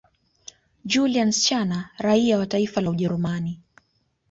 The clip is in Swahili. Julian Scherner raia wa taifa la Ujerumani